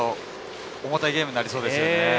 重たいゲームになりそうですね。